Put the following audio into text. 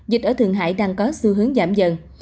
dịch ở thường hải đang có xu hướng giảm dần